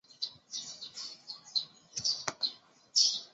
槟城福建话是闽南语的一个域外变体。